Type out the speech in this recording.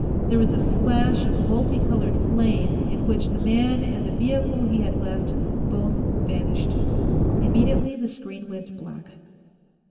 There was a flash of multicolored flame, in which the man and the vehicle he had left both vanished. Immediately, the screen went black.